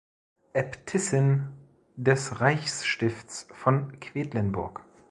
Äbtissin des Reichsstiftes von Quedlinburg.